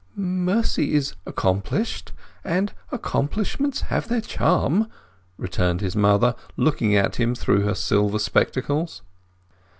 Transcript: "Mercy is accomplished. And accomplishments have their charm," returned his mother, looking at him through her silver spectacles.